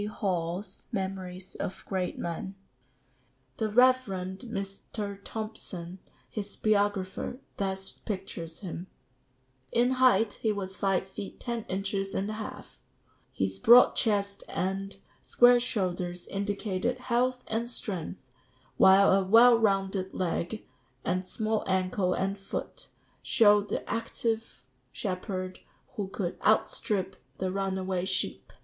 Hall's Memories of Great Men.] "The Rev. Mr. Thomson, his biographer, thus pictures him: 'In height he was five feet ten inches and a half; his broad chest and square shoulders indicated health and strength; while a well rounded leg, and small ankle and foot, showed the active shepherd who could outstrip the runaway sheep.